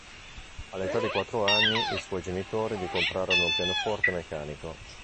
All'età di quattro anni, i suoi genitori gli comprarono un pianoforte meccanico.